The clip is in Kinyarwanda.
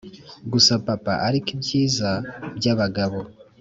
gusa papa, ariko ibyiza byabagabo.